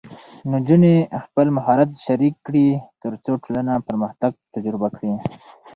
نجونې خپل مهارت شریک کړي، ترڅو ټولنه پرمختګ تجربه کړي.